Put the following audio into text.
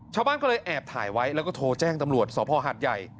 เช้าบ้านเขาเลยแอบถ่ายไว้แล้วก็โทนแจ้งตำลวดศพหาดใหญ่